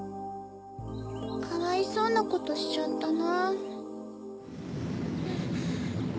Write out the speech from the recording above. かわいそうなことしちゃったな。